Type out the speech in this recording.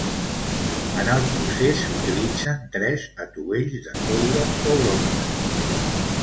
En el procés s'utilitzen tres atuells de coure o bronze.